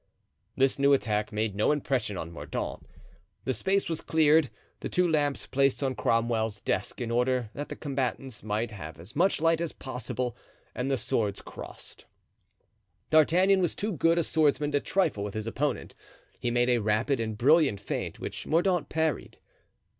This new attack made no impression on Mordaunt. The space was cleared, the two lamps placed on Cromwell's desk, in order that the combatants might have as much light as possible; and the swords crossed. D'Artagnan was too good a swordsman to trifle with his opponent. He made a rapid and brilliant feint which Mordaunt parried.